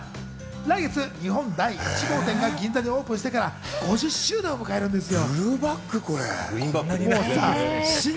来月日本第１号店が銀座にオープンしてから５０周年を迎えるんですよ。